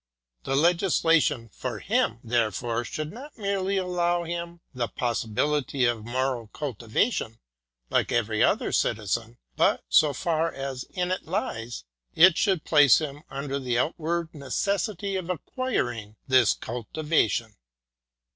The legislation for him, therefore, should not merely allow him the possibility of moral cultivation like every other citizen, but, so far as in it lies, it should place him under the outward necessity of acquiring this cultivation.